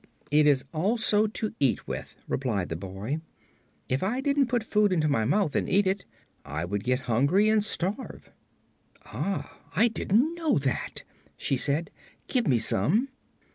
"It is also to eat with," replied the boy. "If I didn't put food into my mouth, and eat it, I would get hungry and starve. "Ah, I didn't know that," she said. "Give me some."